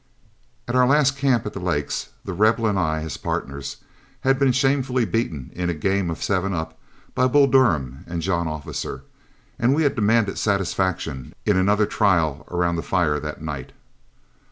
At our last camp at the lakes, The Rebel and I, as partners, had been shamefully beaten in a game of seven up by Bull Durham and John Officer, and had demanded satisfaction in another trial around the fire that night.